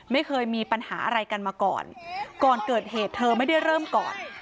ไม่เคยมีปัญหาอะไรกันมาก่อนก่อนเกิดเหตุเธอไม่ได้เริ่มก่อน